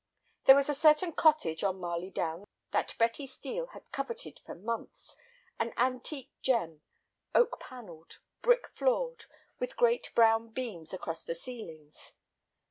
There was a certain cottage on Marley Down that Betty Steel had coveted for months, an antique gem, oak panelled, brick floored, with great brown beams across the ceilings.